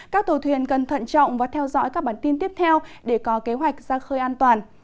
các tàu thuyền cần thận trọng và theo dõi các bản tin tiếp theo để có kế hoạch ra khơi an toàn